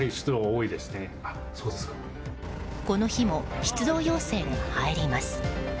この日も出動要請が入ります。